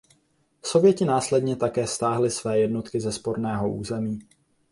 Sověti následně také stáhli své jednotky ze sporného území.